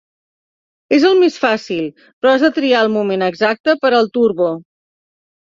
És el més fàcil, però has de triar el moment exacte per al Turbo.